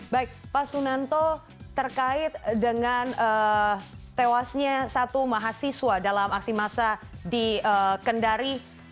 baik pak sunanto terkait dengan tewasnya satu mahasiswa dalam aksi massa di kendari